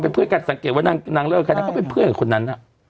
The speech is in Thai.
เป็นเพื่อนกันสังเกตว่านางเลิกใครนางก็เป็นเพื่อนกับคนนั้น